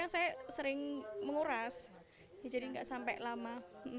saya sering menguras jadi nggak sampai lama